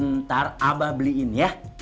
ntar abah beliin ya